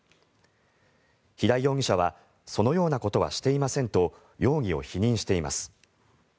平井容疑者はそのようなことはしていませんと容疑を否認しています。